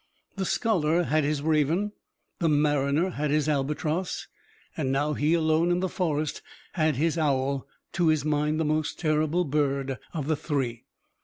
The scholar had his raven, the mariner had his albatross and now he alone in the forest had his owl, to his mind the most terrible bird of the three.